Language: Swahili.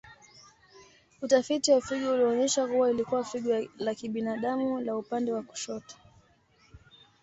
Utafiti wa figo ulionyesha kuwa ilikuwa figo la kibinadamu la upande wa kushoto.